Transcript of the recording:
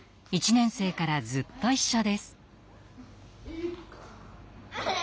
１年生からずっと一緒です。